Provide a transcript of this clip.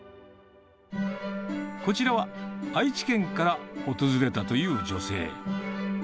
こちらは、愛知県から訪れたという女性。